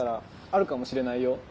あるかもしれない。